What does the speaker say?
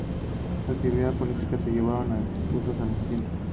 Está ubicado en una zona rodeada de pinares que antaño fue cabeza de señorío.